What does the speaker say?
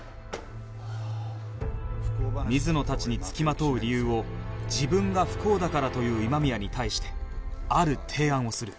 水野たちに付きまとう理由を「自分が不幸だから」という今宮に対してある提案をする